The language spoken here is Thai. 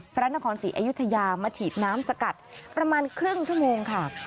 พระนครศรีอยุธยามาฉีดน้ำสกัดประมาณครึ่งชั่วโมงค่ะ